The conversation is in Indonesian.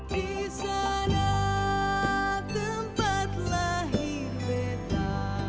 disana tempat lahir beta